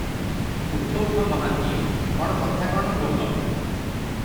ଉଠ ଉଠ ମହାନ୍ତିଏ, କଣ କଥା କଣ ବୋଲ ।"